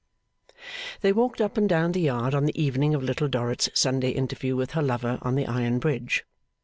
They walked up and down the yard on the evening of Little Dorrit's Sunday interview with her lover on the Iron Bridge.